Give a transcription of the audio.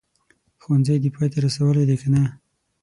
ښوونځی دي پای ته رسولی دی که نه ؟